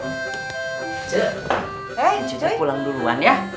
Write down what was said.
ucuy kita pulang duluan ya